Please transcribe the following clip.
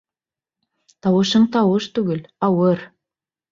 Тауышың тауыш түгел!...Ауыр!